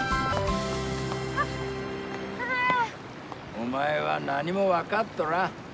お前は何も分かっとらん。